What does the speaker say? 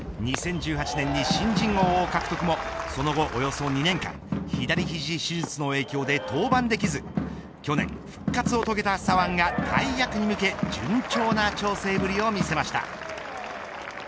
２０１８年に新人王を獲得もその後およそ２年間左肘手術の影響で登板できず去年、復活を遂げた左腕が大役に向け順調な調整ぶりを見せました。